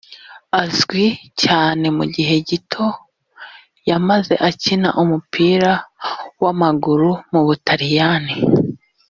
Azwi cyane mu gihe gito yamaze akina umupira w’amaguru mu Butaliyani